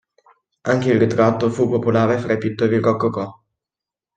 Anche il ritratto fu popolare fra i pittori rococò.